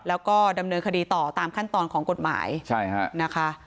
แล้วก็ดำเนินคดีต่อตามขั้นตอนของกฎหมายใช่ฮะนะคะ